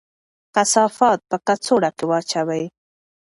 کثافات په کڅوړه کې واچوئ.